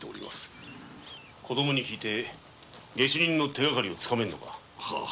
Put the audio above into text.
子供に聞いて下手人の手がかりはつかめぬのか？